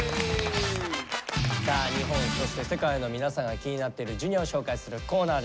さあ日本そして世界の皆さんが気になってるＪｒ．を紹介するコーナーです。